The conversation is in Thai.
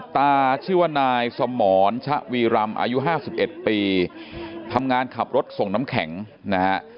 ชื่อว่านายสมรชะวีรำอายุ๕๑ปีทำงานขับรถส่งน้ำแข็งนะฮะ